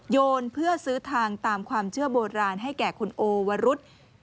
โยนเพื่อซื้อทางตามความเชื่อโบราณให้แก่คุณโอวรุษ